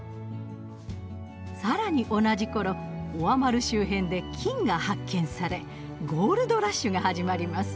さらに同じころオアマル周辺で金が発見されゴールドラッシュが始まります。